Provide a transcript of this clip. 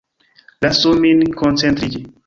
Lasu min koncentriĝi.